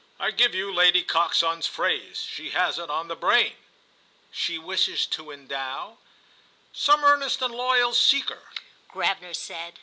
"I give you Lady Coxon's phrase. She has it on the brain." "She wishes to endow—?" "Some earnest and 'loyal' seeker," Gravener said.